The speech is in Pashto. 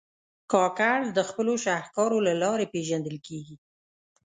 کاکړ د خپلو شهکارو له لارې پېژندل کېږي.